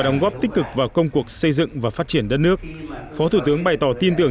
đóng góp tích cực vào công cuộc xây dựng và phát triển đất nước phó thủ tướng bày tỏ tin tưởng